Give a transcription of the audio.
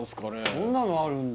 こんなのあるんだ？